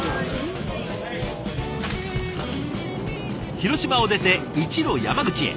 広島を出て一路山口へ。